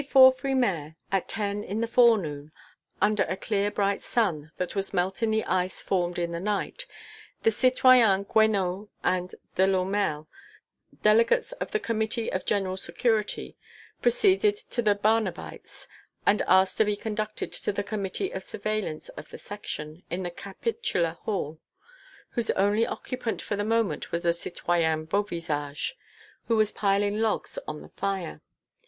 XVII The 24 Frimaire, at ten in the forenoon, under a clear bright sun that was melting the ice formed in the night, the citoyens Guénot and Delourmel, delegates of the Committee of General Security, proceeded to the Barnabites and asked to be conducted to the Committee of Surveillance of the Section, in the Capitular hall, whose only occupant for the moment was the citoyen Beauvisage, who was piling logs on the fire.